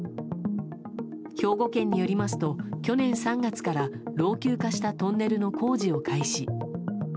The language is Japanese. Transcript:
兵庫県によりますと去年３月から老朽化したトンネルの工事を開始。